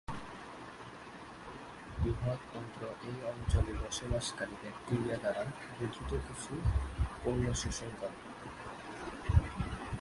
বৃহৎ অন্ত্র এই অঞ্চলে বসবাসকারী ব্যাকটেরিয়া দ্বারা গঠিত কিছু পণ্য শোষণ করে।